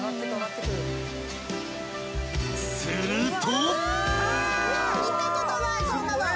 ［すると］